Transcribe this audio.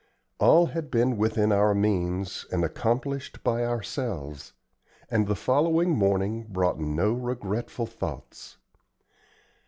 All had been within our means and accomplished by ourselves; and the following morning brought no regretful thoughts.